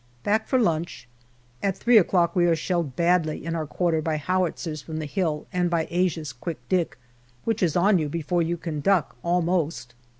Back for lunch. At three o'clock we are shelled badly in our quarter by howitzers from the hill and by Asia's " Quick Dick," which is on you before one can duck almost.